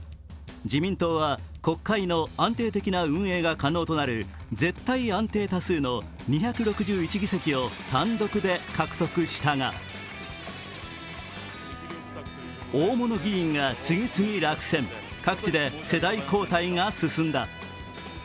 自民党は国会の安定的な運営が可能となる絶対安定多数の２６１議席を単独で獲得したが大物議員が次々落選、各地で世代交代が進んだ。